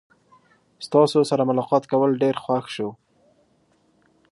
ستاسو سره ملاقات کول ډیر خوښ شو.